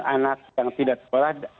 anak yang tidak sekolah